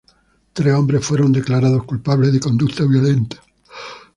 Tres hombres fueron declarados culpables de conducta violenta.